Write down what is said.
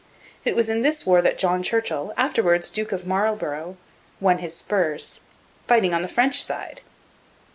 It was in this war that John Churchill, afterwards Duke of Marlborough, won his spurs fighting on the French side!